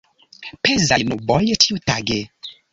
Pezaj nuboj ĉiutage.